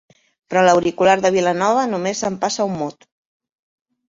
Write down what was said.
Però l'auricular de Vilanova només s'empassa un mot.